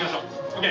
ＯＫ？